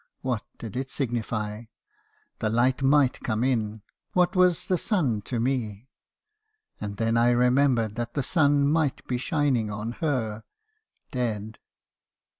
What did it signify? The light might come in. What was the sun to me? And then I remembered that that sun might be shining on her, — dead.